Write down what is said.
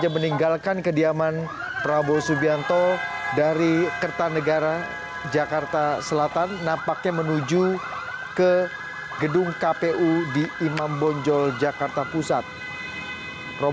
berita terkini mengenai cuaca ekstrem dua ribu dua puluh satu